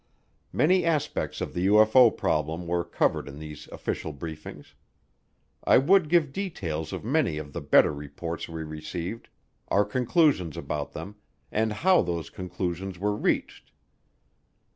Many aspects of the UFO problem were covered in these official briefings. I would give details of many of the better reports we received, our conclusions about them, and how those conclusions were reached.